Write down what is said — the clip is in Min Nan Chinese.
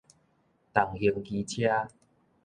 重型機車